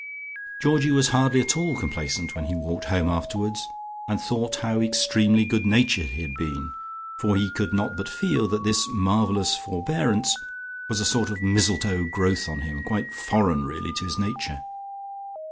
Georgie was hardly at all complacent when he walked home afterwards, and thought how extremely good natured he had been, for he could not but feel that this marvellous forbearance was a sort of mistletoe growth on him, quite foreign really to his nature.